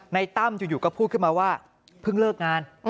ตั้มอยู่ก็พูดขึ้นมาว่าเพิ่งเลิกงาน